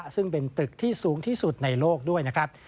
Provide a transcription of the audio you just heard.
ซึ่งเป็นตึกที่สูงที่สุดในโลกด้วยนะครับ